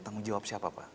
tanggung jawab siapa pak